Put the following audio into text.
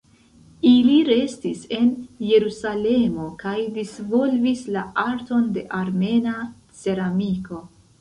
Ili restis en Jerusalemo kaj disvolvis la arton de armena ceramiko.